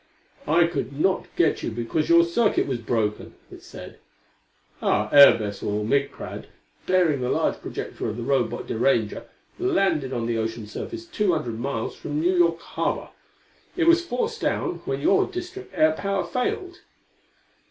"I could not get you because your circuit was broken," it said. "Our air vessel Micrad; bearing the large projector of the Robot deranger, landed on the ocean surface two hundred miles from New York harbor. It was forced down when your district air power failed."